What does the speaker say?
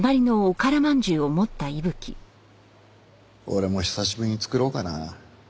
俺も久しぶりに作ろうかな。